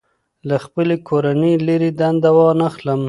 له خپلې کورنۍ لرې دنده وانخلم.